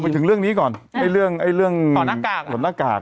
ไปถึงเรื่องนี้ก่อนอร่อยเรื่องเรื่องหัวหน้ากาดหน้ากาด